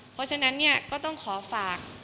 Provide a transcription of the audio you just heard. เพราะฉะนั้นเนี่ยก็ต้องขอฝาก